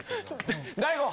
大悟！